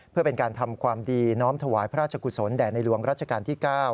เพื่อเป็นการทำความดีน้อมถวายพระราชกุศลแด่ในหลวงรัชกาลที่๙